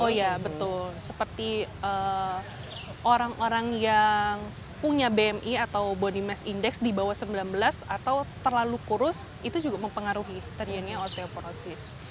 oh iya betul seperti orang orang yang punya bmi atau body mass index di bawah sembilan belas atau terlalu kurus itu juga mempengaruhi terjadinya osteoporosis